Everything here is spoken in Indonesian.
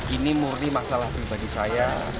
ini murni masalah pribadi saya